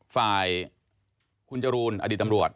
ฝ่ายคุณจรูนอดีตตำรวจ